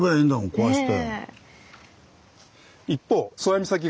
壊して。